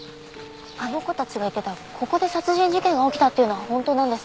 あの子たちが言ってたここで殺人事件が起きたっていうのは本当なんですか？